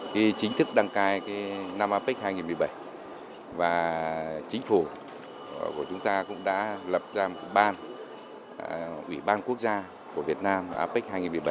khi chính thức đăng cai năm apec hai nghìn một mươi bảy và chính phủ của chúng ta cũng đã lập ra ban ủy ban quốc gia của việt nam apec hai nghìn một mươi bảy